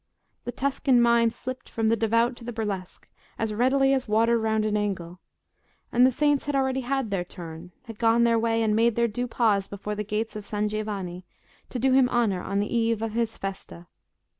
The Tuscan mind slipped from the devout to the burlesque, as readily as water round an angle; and the saints had already had their turn, had gone their way, and made their due pause before the gates of San Giovanni, to do him honour on the eve of his festa.